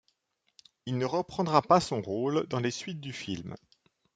Il ne reprendra pas son rôle dans les suites du film.